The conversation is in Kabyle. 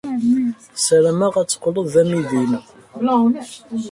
Ssarameɣ ad teqqled d amidi-inu.